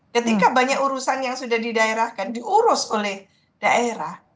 ketika banyak urusan yang sudah didaerahkan diurus oleh daerah